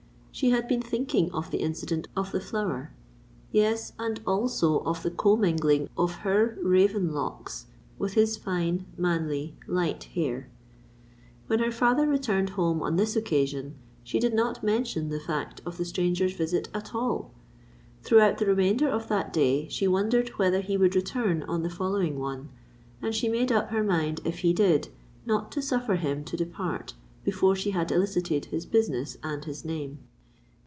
She had been thinking of the incident of the flower;—yes—and also of the commingling of her raven locks with his fine, manly light hair. When her father returned home on this occasion, she did not mention the fact of the stranger's visit at all. Throughout the remainder of that day she wondered whether he would return on the following one; and she made up her mind, if he did, not to suffer him to depart before she had elicited his business and his name.